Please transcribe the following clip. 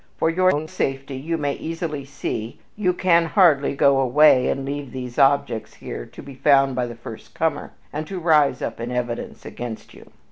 For your own safety, as you may easily see, you can hardly go away and leave these objects here to be found by the first comer, and to rise up in evidence against you."